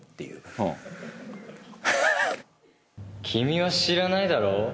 君は知らないだろう？